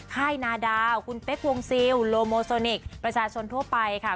ค่ายนาดาวคุณเป๊กวงซิลโลโมโซนิกประชาชนทั่วไปค่ะ